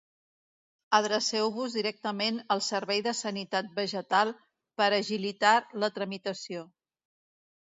Adreceu-vos directament al Servei de Sanitat Vegetal per agilitar la tramitació.